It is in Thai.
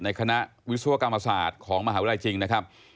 คณะวิศวกรรมศาสตร์ของมหาวิทยาลัยจริงนะครับ